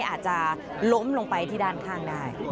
อาจจะล้มลงไปที่ด้านข้างได้